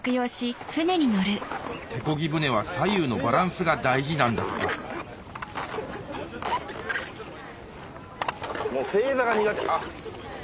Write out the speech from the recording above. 手こぎ舟は左右のバランスが大事なんだとか正座が苦手あ。